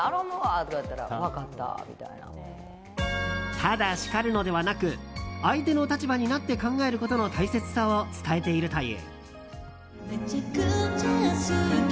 ただ叱るのではなく相手の立場になって考えることの大切さを伝えているという。